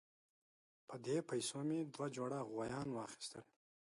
په دې پیسو مې دوه جوړه غویان واخیستل.